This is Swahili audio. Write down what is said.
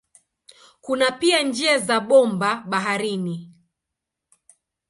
Kuna pia njia za bomba baharini.